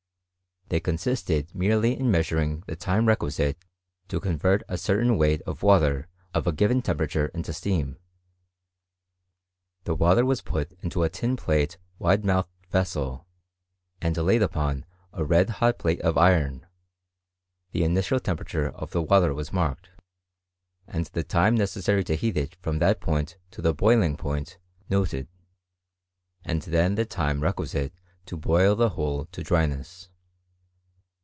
They consisted merely in mea suring the time requisite to convert a certain weight of water of a given temperature into steam, llie water was put into a tin plate wide mouthed vessel, and laid upon a red hot plate of iron, the initial tem perature of the water was marked, and the time ne cessary to heat it from that point to the boiling point noted, and then the time requisite to boil the whole to dryness.